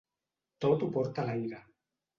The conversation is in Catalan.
Tot ho porta l'aire.